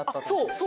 そう。